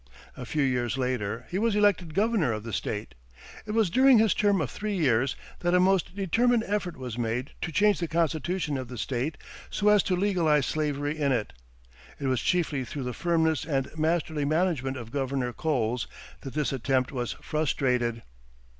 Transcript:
A few years after, he was elected governor of the State. It was during his term of three years that a most determined effort was made to change the constitution of the State so as to legalize slavery in it. It was chiefly through the firmness and masterly management of Governor Coles that this attempt was frustrated.